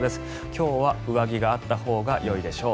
今日は上着があったほうがよいでしょう。